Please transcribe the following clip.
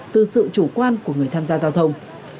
từ sự chủ quan của người tham gia giao thông